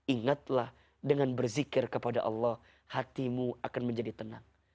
ingatlah dengan berzikir kepada allah hatimu akan menjadi tenang